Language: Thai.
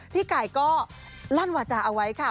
พี่ไก่ก็ลั่นวาจาเอาไว้ค่ะ